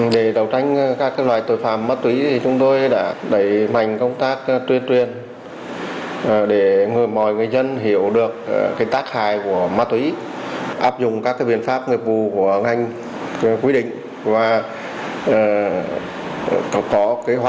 để đầu tranh các loại tội phạm ma túy thì chúng tôi đã đẩy mạnh công tác tuyên truyền để mọi người dân hiểu được cái tác hại của ma túy áp dụng các biện pháp người vụ của ngành quy định